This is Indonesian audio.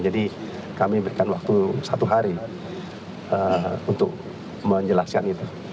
jadi kami memberikan waktu satu hari untuk menjelaskan itu